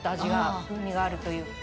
風味があるという。